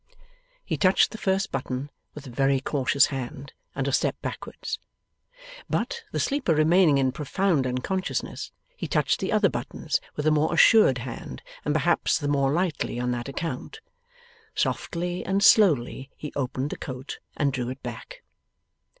He touched the first button with a very cautious hand, and a step backward. But, the sleeper remaining in profound unconsciousness, he touched the other buttons with a more assured hand, and perhaps the more lightly on that account. Softly and slowly, he opened the coat and drew it back.